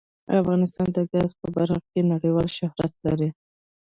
افغانستان د ګاز په برخه کې نړیوال شهرت لري.